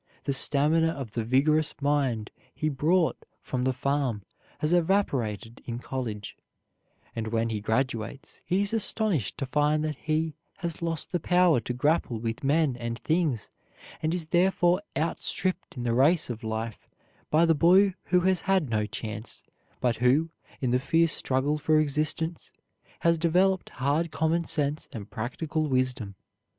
The stamina of the vigorous mind he brought from the farm has evaporated in college; and when he graduates, he is astonished to find that he has lost the power to grapple with men and things, and is therefore out stripped in the race of life by the boy who has had no chance, but who, in the fierce struggle for existence, has developed hard common sense and practical wisdom.